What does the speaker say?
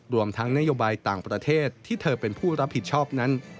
รวมทั้งนโยบายต่างประเทศที่เธอเป็นผู้รับผิดชอบนั้น